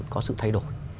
có sự thay đổi